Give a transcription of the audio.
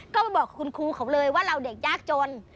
ก็ไปบอกคุณครูเขาเลยว่าเราเด็กยากจน